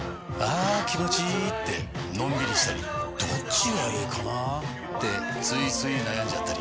あ気持ちいいってのんびりしたりどっちがいいかなってついつい悩んじゃったり。